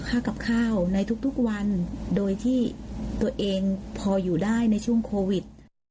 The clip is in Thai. ค่ากับข้าวในทุกวันโดยที่ตัวเองพออยู่ได้ในช่วงโควิด